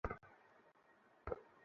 বাহ, চুদির ভাই, বাহ!